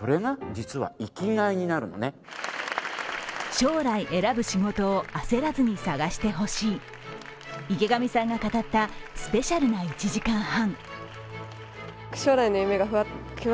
将来選ぶ仕事を焦らずに探してほしい池上さんが語ったスペシャルな１時間半。